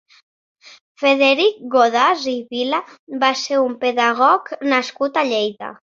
Frederic Godàs i Vila va ser un pedagog nascut a Lleida.